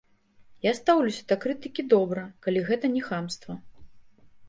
Я стаўлюся да крытыкі добра, калі гэта не хамства.